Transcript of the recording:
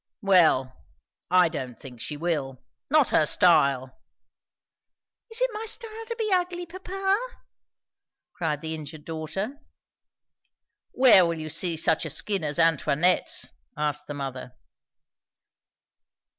"Well, I don't think she will. Not her style." "Is it my style to be ugly, papa?" cried the injured daughter. "Where will you see such a skin as Antoinette's?" asked the mother.